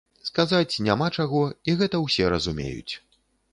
Сказаць няма чаго і гэта ўсе разумеюць.